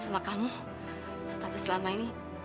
sama kamu tapi selama ini